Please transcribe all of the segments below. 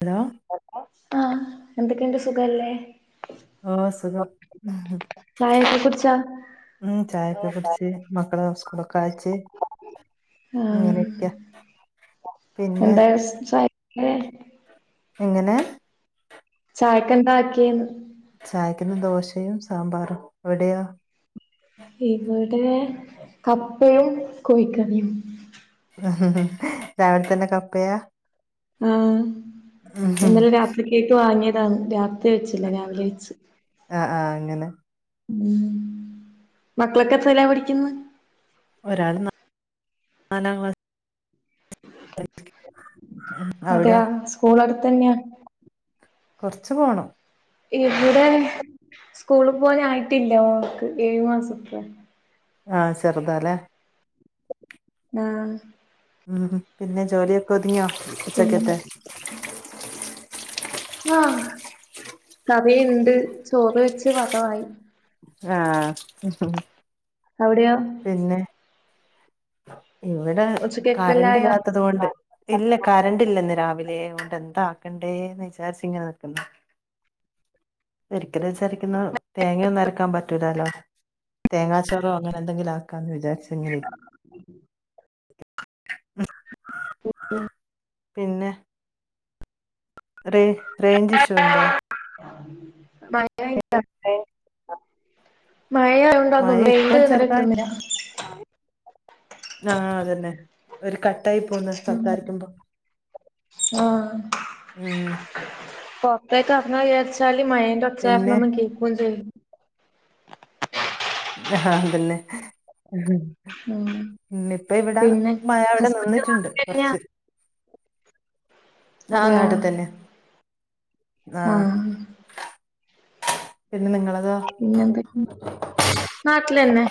Hello, ആഹ്, എന്തൊക്കെണ്ട് സുഖല്ലേ? ആഹ്, സുഖം. ചായക്കെ കുടിചോ? ഉം ചായൊക്ക കുടിച്ചി മക്കള സ്കൂള് കാക്കി ഇങ്ങനെ ആഹ് ഇര്ക്യാ പിന്നെ മസ്റ്റ് ട്രൈ ങ്ങ് എങ്ങനെ ചായക്കെന്താ ആക്കിയേന്ന് ചായക്ക്ന്ന് ദോശയും സാമ്പാറും ഇവ്ടെയാേ ഇവ്ടെ കപ്പയും കോയിക്കറിയും രാവിലെ തന്നെ കപ്പയാ ആഹ് എന്നാലും രാത്രികേക്ക് വാങ്ങിയതാന്ന് രാത്രി വെച്ചില്ല രാവിലെ വെച്ച് ആഹ് ആഹ് അങ്ങനെ ഉം മക്കളെക്കെ എത്രൈലാ പഠിക്ക്ന്ന് ഒരാള്ന നാലാം ക്ലാസ് അവിടെയോ അതെയാ സ്കൂള് അട്ത്തെന്നെയാ കൊറച്ച് പോണം ഇവിടെ സ്കൂള്പുവാൻ ആയിട്ടില്ലഓവർക്ക് ഏഴു മാസത്തെ ആഹ് ചെറ്താല്ലെ നാ ഉം പിന്നെ ജോലിയൊക്കെ ഒതുങ്ങിയാേ പിന്നെ ഉച്ചക്കത്തെ ആഹ് കറിയ്ണ്ട് ചോറ് വെച്ച് വാകമായി ആഹ് അവ്ടെയാേ പിന്നെ ഇവടെ കറണ്ട് ഉച്ചക്കൊക്കെല്ലായോ ഇല്ലാത്തത് കൊണ്ട് ഇല്ല കറണ്ട് ഇല്ല ഇന്ന് രാവിലെ ആവോണ്ട് എന്താ ആക്കണ്ടേന്ന് വിചാരിച്ച് ഇങ്ങനെ നിക്ക്ന്ന് ഒരിക്കലും വിചാരിക്ക്ന്ന തേങ്ങയൊന്നും അരക്കാംപറ്റൂലാല്ലോ തേങ്ങാച്ചോറോ അങ്ങനെ എന്തെങ്കിലും ആക്കാന്ന് വിചാരിച്ച് ഇങ്ങനെ ഇരി പിന്നെ റെെ റൈഞ്ച് ഇഷൂഉണ്ടോ [unintelligible] ആഹ് മായെയാ എന്താപ്പൊ മഴ റൈഞ്ച് ഇപ്പം പർഞ്ഞാ കിട്ട്ണ്ല്യ ആഹ് അതന്നെ ഒരു കട്ടായി പോവുന്നു ഉം സംസാരിക്കുമ്പൊ ആഹ് പൊർത്തേക്ക് അർങ്ങാ വിചാരിച്ചാല് മയേന്റെ ഒച്ച കാരണം പിന്നെ ഒന്നും കേക്കുല്യേനും നെഹാ അങ്ങൻതന്നെ ഉം ഇന്ന്പ്പ ഇവിടെ പിന്നെ മയഅവടെ ഹസ്ബൻഡ് നിന്ന്ട്ട്ണ്ട് നാട്ടില് തന്നെയാ കാെർച്ച് ആഹ് അതെയാ നാട്ട്തെന്നെ ആഹ് പിന്നെ നിങ്ങളതാേ പിന്നെ എന്താെക്കെ നാട്ട്ലെന്നെ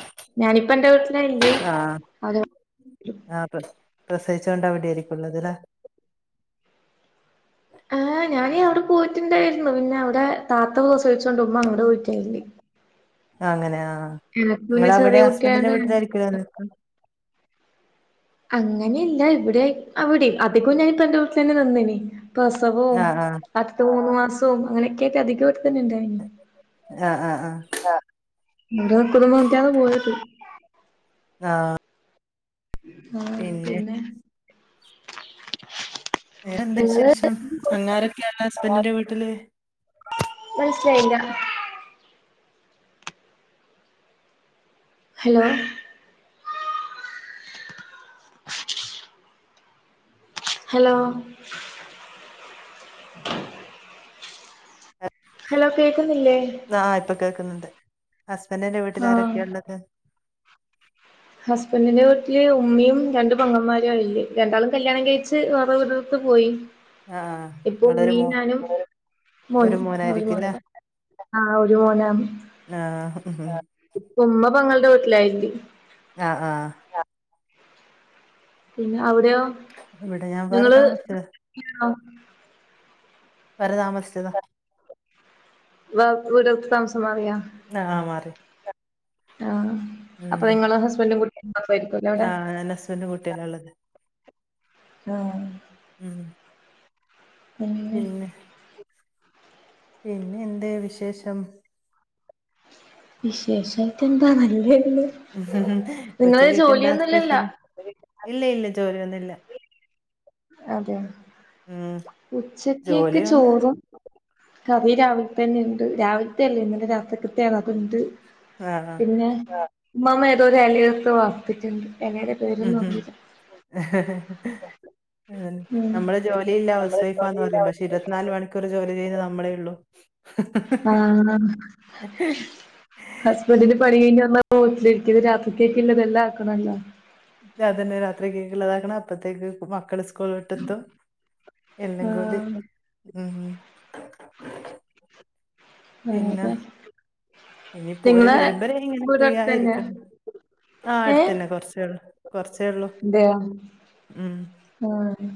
ഞാനിപ്പ എന്റെ വീട്ട്ലാഇല്യേ ആഹ് ആഹ് പ്രസ് പ്രസവിച്ചോണ്ട് അവിടേരിക്കും ഉള്ളത് ലെ ആഹ് ഞാനി അവടെ പോയിറ്റ് ഇണ്ടായിരുന്നു പിന്നെ അവടെ താത്തക്കെ കൊറച്ച് വേടിച്ചാെണ്ടോവും ഇമ്മ അങ്ങട് പോയിറ്റേ ആഹ് അങ്ങനെ ആഹ് പിന്നെ ഇങ്ങളവടെ ചെറിയ ഹസ്ബെന്റിന്റെ കുട്ടിയായോണ്ട് വീട്ടിലായിരിക്കുല്ലെ നിക്ക്ണ്ട അങ്ങനിഎല്ല ഇവിടേം അവിടം അത്ക്കും ഞാനിപ്പാെ എന്റെ വീട്ട്ലെന്നെ നിന്നീന് ആ പ്രസവവും ആ ആദ്യത്തെ മൂന്നു മാസവും അങ്ങനെക്കേറ്റ് അധികം ഇവ്ട്തന്നെ ഇണ്ടായിന് ആഹ് ആഹ് ആഹ് ആഹ് മുട്യോക്കലിന് ആൾക്കാരെ പോയോക്ക് ആഹ് ആഹ് പിന്നെ വേറെ എന്ത് നിങ്ങള് വിശേഷം പിള്ളാരൊക്കെ എല്ലാം ഹസ്ബെന്റിന്റെ വീട്ടില് മനസ്സിലായിലാ ഹലോ ഹലോ. ഹലോ കേൾക്കുന്നില്ലേ. ആ ഇപ്പോ കേൾക്കുന്നുണ്ട്. ഹസ്ബൻറിന്റെ ആ വീട്ടിൽ- ആരൊക്കെയ ഉള്ളത്. ഹസ്ബൻഡിന്റെ വീട്ടില് ഉമ്മയും രണ്ട പങ്ങന്മാര ഇല്ലേ രണ്ടാളും- കല്യാണം കഴിച്ച് വേറെ ഇവിടത്ത് പോയി. ആഹ് ഇപ്പോ നിങ്ങളൊരു ഉമ്മീൻ മോ ഞാനും ഒരു മോനുംഒരു മോനായിരിക്കുംല്ലേ മോന്. ആഹാ ഒരു മോന്, ആഹ് ഉം ഉംമ്മ പങ്ങളുടെ വീട്ടിലായി. ആഹ ആഹ. പിന്നെ അവിടെയോ ഇവിടെ ഞാൻ വേറെ നിങ്ങള്ണോ താമസിച്ചതാ [unintelligible] വരതാമസ്ത. [unintelligible] ആഹ മാറി. ആഹാ അപ്പോ ഉം നിങ്ങള് ഹസ്ബൻഡും കുട്ടികും മാത്രമായിരിക്കല്ലോ അവിടെ? രണ്ട് കുട്ടിയൽ ഉള്ളത്. ആഹ. ഉം. ഉം [inaudible] പിന്നെ പിന്നെ എന്ത് വിശേഷം? വിശേഷായിട്ട് എന്താ നല്ല- ഉഉം ഉച്ചക്കൊക്കെ എന്താ- ജോലിയൊന്നുംല്ലല്ല സ്പെഷ്യൽ ഇല്ല, ഇല്ല. ജോലിയൊന്നുംല്ല. അതെ ഉം ഉച്ചക്കൊക്കെ ജോലിയൊന്ന് ചോറും, കഥ രാവിലത്ത തന്നെ ഉണ്ട്- രാവിലത്തെ അല്ലേ ഇന്നലെ രാത് കത്താണ് അതുണ്ട്. ആഹ് പിന്നെ ഉമ്മാമ്മ ഏതോ ഒരില- എടുത്തു വറത്തുട്ടു ണ്ട്. ഉം.. ഉം.. [inaudible] [unintelligible] അതെ ഉം നമ്മള് ജോലിയില്ല, ഹൗസ് വൈഫാന്ന് പറയും പക്ഷ ഇരുപത്തിനാല് മണ- മണിക്കൂർ ജോലി ചെയ്യത് നമ്മളേ ഉള്ളു. ആഹാ. ഇതിന്റെ പണി കഴിഞ്ഞഞ് വന്നാ ഓട്ടിലിരിക്കത് രാത്രിക്കക്കുള്ളതല്ല ആാക്കണല്ലോ. തന്നെ രാത്രി കേക്ക ഉള്ളതാക്കണം അപ്പഴത്തേക്ക് മക്കൾ- കോട്ടത്തും എല്ലാം കൂടി, ആഹ് ഉം ഉം [unintelligible] ഇനിയിപ്പോര് നിങ്ങളെ വെരുമ്പരേ ഇങ്ങനെ വീട് അടുത്തന്നെയാ പ്രിയായിരിക്കണം. ആഹ ഏഹ് അടുത്തന്നെ കുറച്ചേള്ളൂ കുറച്ചേ ഉള്ളു ഉം. ആഹാ.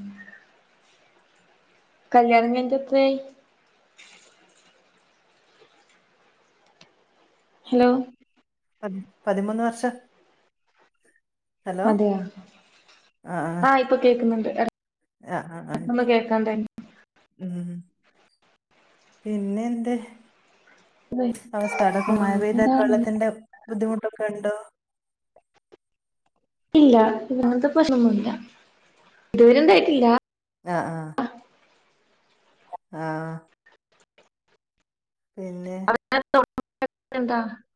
കല്യാണണംകഴിഞ്ഞിട്ട്- എത്രെആയി. ഹലോ. പ പതിമൂന്ന് വർഷം. ഹലോ അതെയ, ആഹ ഇപ്പോ കേൾക്കുന്നുണ്ട്. ആഹ, ആഹ, ആഹാ. ഉം പിന്നെ എന്താ? അവസ്ഥ അടൊക്കെ മഴപെയ്തര, വെള്ളത്തിന്റെ ബുദ്ധിമുട്ടൊക്കെ ഉണ്ടോ? ഇല്ല ഇതത്തെ പ്രശ്നൊന്നില്ല, ഇതുവരെ ഇണ്ടായിട്ടില്ല. ആഹാ ആഹാ. ആഹാ പിന്നെ.. [unintelligible]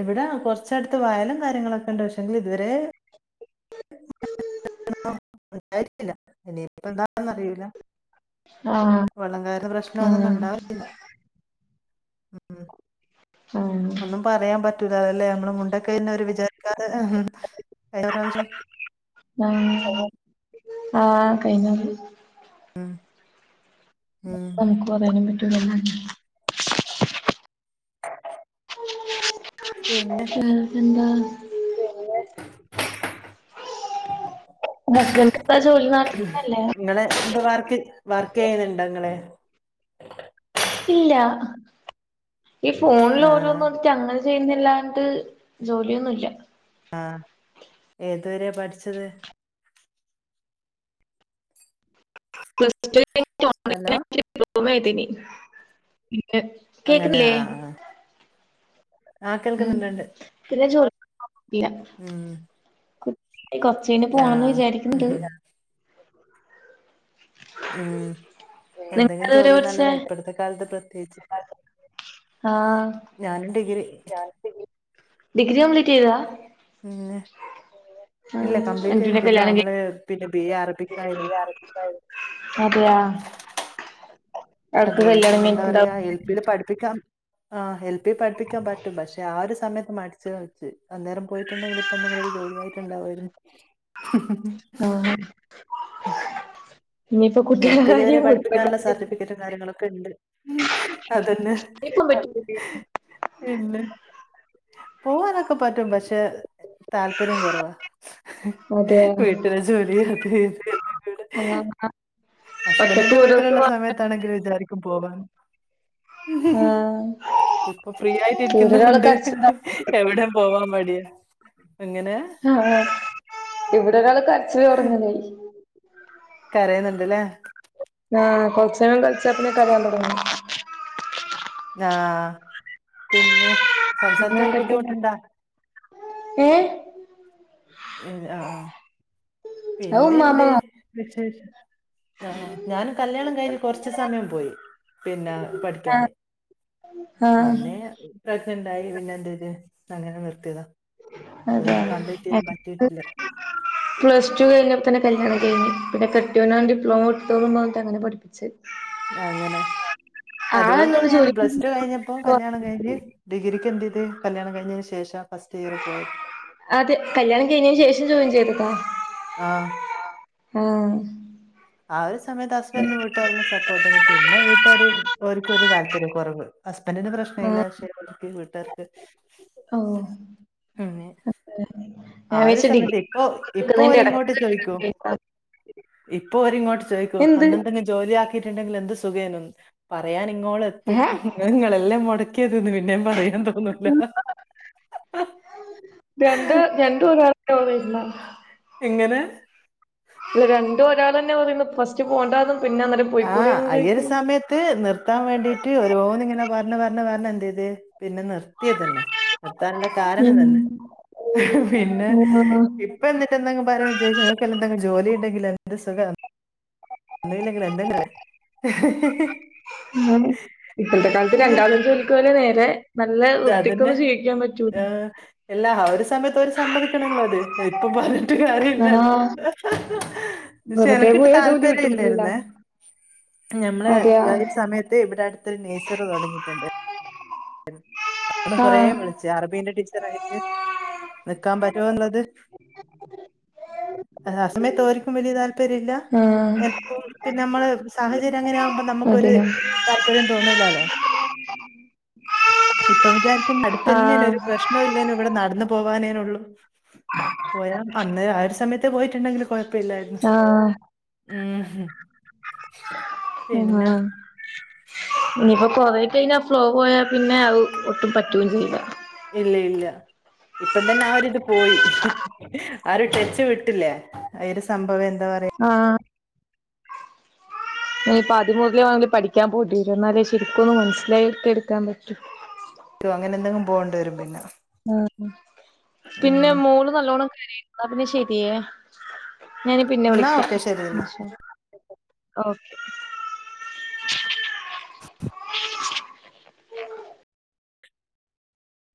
ഇവിട കൊറച്ചടുത്ത് വയലും, കാര്യങ്ങളൊക്കെ ഉണ്ട്. പക്ഷെങ്കിൽ ഇതുവരെ- ഇപ്പന്താ അറില്ല. ആഹ് വള്ളം കാരന് പ്രശ്നം ആഹ് അതൊന്നും ഉണ്ടാവില്ല ഉം. ആഹാ. ഒന്നും പറയാൻ പറ്റൂല്ല അതല്ലേ, നമ്മള് മുണ്ടക്കയന്നെ ഒരു വിചാരിക്കാതെ വേറെരു. ആഹ് കഴിഞ്ഞു ആഹ് കഴിഞ്ഞു ആഹ് ആഹ് നമുക്ക് പറയാനും പറ്റൂലല്ലോ പിന്നെ ക്ഷേ ഇതെന്താ ഹസ്ബൻഡ് എന്താ ജോലി നാട്ടിലന്നല്ലേ ഇങ്ങള് ത് വർക്ക് വർക്ക് ചെയ്യ്ന്നുണ്ടോ ഇങ്ങള് ഇല്ല ഈ ഫോണിൽ ആ ഓരോന്ന് നോക്കി അങ്ങനെ ചെയ്യുന്നല്ലാണ്ട് ജോലിയൊന്നുല്ല ആഹ് ഏത് വരെ പഠിച്ചത് പ്ലസ് ടു കഴിഞ്ഞ് ഹലോ ഓൺലൈനായിട്ട് ഡിപ്ലോമ ചെയ്തീനി പിന്നെ അങ്ങനെ കേക്കുന്നില്ലേ ആഹ് ആഹ് ഉം പിന്നെ ജോലിക്കൊന്നും [unintelligible] ഉം [unintelligible] കൊറച്ച് കഴിഞ്ഞ് ആ പോണംന്ന് ഉം വിചാരിക്ക്ന്ന്ണ്ട് ഉം എന്തെങ്കിലും നിങ്ങളേതുവരെ ജോലി പഠിച്ചേ നല്ലതാ ഇപ്പഴത്തെ കാലത്ത് പ്രത്യേകിച്ച് ആഹ് ഞാനും ഡിഗ്രി ഡിഗ്രി കംപ്ലീറ്റ് ചെയ്തതാ പിന്നെ പിന്നെ ഇല്ല ആഹ് കംപ്ലീറ്റ് അഞ്ചു ചെയ്തിട്ടില്ല കല്യാണം കഴി നമ്മള് പിന്നെ ബി എ അറബിക്കായിരുന്നു അതെയാ അവർക്ക് അതുകൊണ്ട് കല്യാണം തന്നെ എന്താ പറയാ കഴിഞ്ഞിട്ടുണ്ടാവും എൽ പി യില് പഠിപ്പിക്കാം ആഹ് എൽ പി പഠിപ്പിക്കാൻ പറ്റും പക്ഷെ ആ ഒരു സമയത്ത് മടിച്ച് ച്ച് അന്നേരം പോയിട്ടുണ്ടെങ്കിൽ ഇപ്പ എന്തെങ്കിലൊരു ജോലി ആയിട്ടുണ്ടാവായിരുന്നു ആഹ് ഇഞ്ഞ്പ്പം കു എൽ പി ൽ വരെ പഠിപ്പിക്കാൻള്ള സർട്ടിഫിക്കറ്റും കാര്യങ്ങളൊക്കെ ണ്ട് അതെന്നെ ഇപ്പം പറ്റും കുട്ടിയേ ഇല്ല പോവാത ഇപ്പ പറ്റും പക്ഷെ താല്പര്യം കുറവാ അതെയോ വി ട്ട് പോയ ജോലി അത് [inaudible] ആഹ് ഹസ്ബൻഡിന്റെ വീട്ടില്ള്ള വാങ്ങാ സമയത്താണെങ്കിൽ വിചാരിക്കും പോവാന്ന് ആ ഇപ്പം ഫ്രീ ഇവിടെ ആയിട്ടിരിക്കുന്ന ഒരാള് കൊണ്ട് കരച്ചിലാ എവിടെം പോവാൻ മടിയാ എങ്ങനെ ഹാ ഇവിടെ ഒരാള് കരച്ചില് തൊടങ്ങാനായി കരയുന്നുണ്ട്ല്ലേ ആഹ് കൊറച്ച് നേരം കളിച്ച പിന്നെ കരയാൻ തൊടങ്ങും ആഹ് പിന്നെ സംസാരിക്കാൻ ബുദ്ധിമുട്ടുണ്ടാ ഏഹ് ഏഹ് ആഹ് ആഹ് അത് ഉമ്മാമ പിന്നെന്തേ വിശേഷം ആഹ് ഞാനും കല്യാണം കഴിഞ്ഞ് കൊറച്ച് സമയം പോയി പിന്നെ പഠിക്കാന് ആ പിന്നെ വിശേഷണ്ടായി പിന്നെ എന്ത് ചെയ്ത് അങ്ങനെ നിർത്തിയത അതാണ് ചെയ്യാൻ പറ്റിയിട്ടില്ല പ്ലസ് ടു കഴിഞ്ഞപ്പന്നെ കല്യാണം കഴിഞ്ഞ് പിന്നെ കെട്ടിയോന ഡിപ്ലോമ ഇട്ത്തോന്ന് പറഞ്ഞിട്ട് അങ്ങനെ പഠിപ്പിച്ച് അങ്ങനെ അതുപോലെ തന്നെ ആളെന്നോട് ഞാനും ചോദിക്കും പ്ലസ് ടു കഴിഞ്ഞപ്പോ കല്യാണം കഴിഞ്ഞ് ഡിഗ്രിക്ക് എന്ത് ചെയ്ത് കല്യാണം കഴിഞ്ഞതിന് ശേഷ ഫസ്റ്റ് ഇയർ പോയത് അതെ കല്യാണം കഴിഞ്ഞതിന് ശേഷം ജോയിൻ ചെയ്തതാ ആഹ് ആ ആ ഒരു സമയത്ത് ഹസ്ബൻ്റും വീട്ടുകാരല്ലാം സപ്പോർട്ടന്നെ. പിന്നെ വീട്ടുകാര് ഓര്കൊരു താൽപര്യ കുറവ്. ഹസ്ബൻ്റിന് പ്രശ്ന ആ ഇല്ല. പക്ഷെ വീട്ടുകാർക്ക് ഓ പിന്നെ. ആ ഞാൻ ഒരു വിചാരിച്ച് ഡിഗ്രി സമയത്ത്. ഇപ്പോ ഇപ്പോ എടുക്കുന്നതിന്റെ ഇടക്ക് ഒരിങ്ങോട്ട് ചോദിക്കോ. കല്യാണം [unintelligible] ഇപ്പോ ഓരിങ്ങോട്ട് ചോയ്ക്കും. എന്ത് അന്ന് എന്തെങ്കിലും ജോലി ആക്കിയിട്ടുണ്ടെങ്കിൽ എന്ത് സുഖേനുന്ന്. പറയാൻ ഇങ്ങോളെ ത്തു ഏഹ് ത്തും നിങ്ങളല്ലേ മുടക്കിയത് ന്ന് പിന്നെ പറയാൻ തോന്നൂല. രണ്ട് രണ്ട് ഒരാള് തന്നെ [unintelligible] ഇര്ന്നോ എങ്ങനെ രണ്ടും ഒരാളെന്നെ പറയുന്നു. ഫസ്റ്റ് പോണ്ടാന്നും പിന്നെ അന്നേരം ആ പോയിക്കൂടെന്നും അയ്യര ചോദിക്കുന്നു സമയത്ത്. ത്. നിർത്താൻ വേണ്ടീട്ട് ഓരോന്ന് ഇങ്ങനെ പറഞ്ഞ് പറഞ്ഞ് പറഞ്ഞ് എന്ത് ചെയ്ത് പിന്നെ നിർത്തി തന്നെ. നിർത്താനുള്ള കാരണം തന്നെ. പിന്നെ ഉം ആഹ് ഇ ഇപ്പോ ന്ന്ട്ട് എന്തെങ്കിലും പറെം ചെയ്യും ഓക്ക് എന്തെങ്കിലും ജോലിണ്ടെങ്കില് എന്ത് സുഖാന്ന്. ഈ ബന്ധങ്ങള് ഇപ്പത്തെ കാലത്ത് രണ്ടാളും ഒരു ജോലിക്ക പോലെ നേരെ നല്ല അതന്നെ വൃത്തിക്കൊന്നും ജീവിക്കാൻ പറ്റൂ. ആഹ് എല്ലാ ഒരു സമയത്ത് അവര് സമ്മതിക്കണല്ലോ അത്. ഇപ്പൊ പറഞ്ഞിട്ട് കാര്യമില്ലാ. ആഹ് [inaudible] പക്ഷെ വെറുതെ എനക്കട്ട് പോയാ ജോലി താല്പര്യം കിട്ടൂലല്ല ഇല്ലായിരുന്നേ. ഞമ്മള അതെയോ ഒരു സമയത്ത് ഇവിടെ അടു ത്ത് നഴ്സറി തുടങ്ങിയിട്ടുണ്ട്. അവിടന്ന് കൊറെ ആഹ് വിളിച്ചു. അറബിൻ്റെ ടീച്ചറായിട്ട് നിക്കാൻ പറ്റ്വോന്ന്ളളത്. ആ സമയത്ത് ഓരിക്കും വല്ല്യ താല്പര്യം ഇല്ല. ആഹ് എനക്കും പിന്നെ നമ്മള് സാഹചര്യം അങ്ങനെ ആകുമ്പോൾ നമുക്കൊര് അതെയോ താല്പര്യം തോന്നൂലല്ലോ. ഇപ്പ വിചാരിക്കും അടുത്തന്നേനു. ആഹ് ഒരു പ്രശ്നും ഇല്ലേനു. ഇവിടെ നടന്നു പോവാനേനുള്ളൂ. പോയാം അന്ന് ആ ഒരു സമയത്ത് പോയിട്ടുണ്ടെങ്കില് കൊഴപ്പമില്ലായിരുന്നു. ആഹ് ഉഹും അഹാ ഇനിയിപ്പോ കൊറേ കഴിഞ്ഞാ ഫ്ലോ പോയാൽ പിന്നെ അത് ഒട്ടും പറ്റുകയും ല്ല. ഇല്ലഇല്ല ഇപ്പം തന്നെ ആ ഒരിത് പോയി. ആരുടച്ച് വിട്ടില്ലേ അ ഒരു സംഭവം എന്താ പറയാ. ആഹ് ഇനിപ്പോ ആദ്യം മുതലേ വാണങ്കി പഠിക്കാൻ പോണ്ടേരും. ന്നാലേ ശരിക്കൊന്നു മനസിലാക്കിയെടുക്കാൻ പറ്റുള്ളു. പ്പൊ അങ്ങനന്തേലും പോണ്ടിരും പിന്ന. ഉം. പിന്നെ മോള് നല്ലോണം കരയാ ന്നാ പിന്നെ ശരിയേ. ഞാന് പിന്നെ എന്നാ വിളിക്കാ. ഓക്കെ എന്നാ ഓ ശരി ഓകെ. [inaudible]